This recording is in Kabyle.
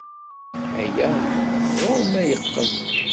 Aya ɣer-m ay yeqqen.